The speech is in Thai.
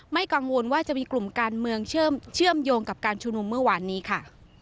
กังวลว่าจะมีกลุ่มการเมืองเชื่อมโยงกับการชุมนุมเมื่อวานนี้ค่ะ